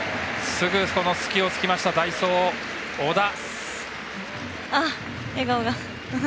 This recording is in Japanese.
すぐ、隙を突きました代走の小田。